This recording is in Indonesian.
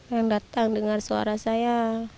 yang datang dengar suara saya